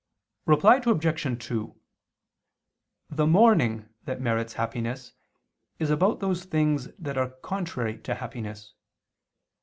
Reply Obj. 2: The mourning that merits happiness, is about those things that are contrary to happiness.